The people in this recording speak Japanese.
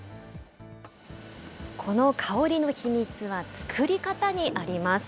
この香りの秘密は造り方にあります。